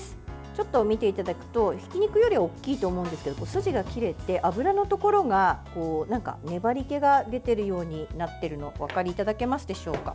ちょっと見ていただくとひき肉よりは大きいと思うんですが筋が切れて脂のところが粘りけが出ているようになっているのお分かりいただけますでしょうか。